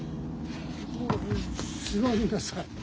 座りなさい。